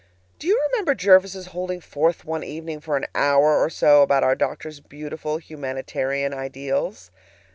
Do you remember Jervis's holding forth one evening for an hour or so about our doctor's beautiful humanitarian ideals?